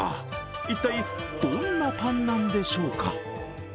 一体どんなパンなんでしょうか。